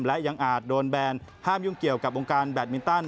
และยังอาจโดนแบนห้ามยุ่งเกี่ยวกับวงการแบตมินตัน